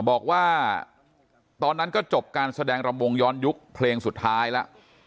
บอกว่าตอนนั้นก็จบการแสดงรำวงย้อนยุคเพลงสุดท้ายแล้ว